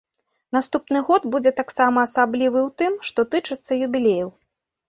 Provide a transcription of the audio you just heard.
Наступны год будзе таксама асаблівы ў тым, што тычыцца юбілеяў.